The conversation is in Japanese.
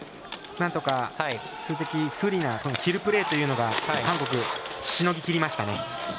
なんとか、数的不利なキルプレーというのが韓国、しのぎきりましたね。